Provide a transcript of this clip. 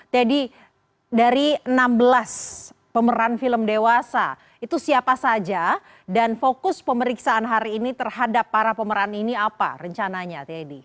teddy dari enam belas pemeran film dewasa itu siapa saja dan fokus pemeriksaan hari ini terhadap para pemeran ini apa rencananya teddy